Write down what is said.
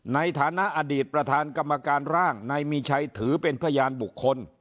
ในฐานะอดีตประธานกรรมการร่างนายมีชัยถือเป็นพยานบุคคล